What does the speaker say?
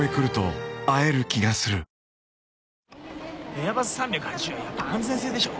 エアバス３８０はやっぱ安全性でしょ。